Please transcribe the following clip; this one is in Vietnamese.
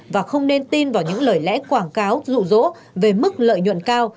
và không nên tin vào những lời lẽ quảng cáo rụ rỗ về mức lợi nhuận cao